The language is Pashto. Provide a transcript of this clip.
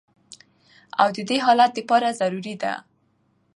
او د دې حالت د پاره ضروري ده